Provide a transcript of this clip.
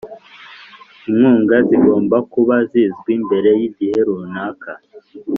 inkunga zigomba kuba zizwi mbere y'igihe runaka